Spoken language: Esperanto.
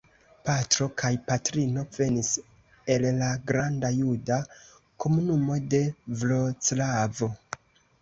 Patro kaj patrino venis el la granda juda komunumo de Vroclavo.